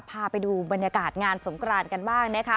พาไปดูบรรยากาศงานสงกรานกันบ้างนะคะ